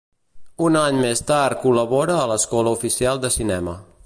Un any més tard col·labora a l'Escola Oficial de Cinema.